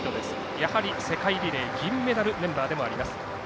やはり世界リレー銀メダルメンバーでもあります。